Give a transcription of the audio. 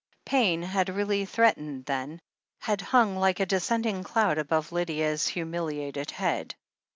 Pain had really threatened then — ^had hung Uke a de scending cloud above Lydia's humiliated head.